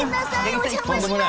お邪魔します。